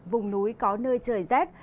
vùng núi có nơi trời rét